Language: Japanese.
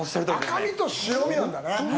赤身と白身なんだね。